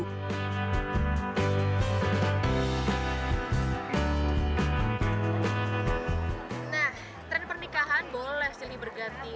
nah tren pernikahan boleh silih berganti